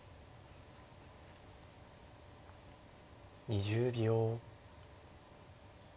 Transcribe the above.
２０秒。